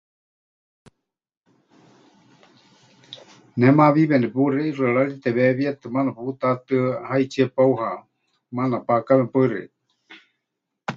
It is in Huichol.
Ne mawiiwe nepuxei ʼixɨarari teweewietɨ maana putatɨa, ʼaitsie peuha, maana pakáwe. Paɨ xeikɨ́a.